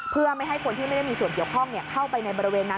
เพื่อไม่ให้คนที่ไม่ได้มีส่วนเกี่ยวข้องเข้าไปในบริเวณนั้น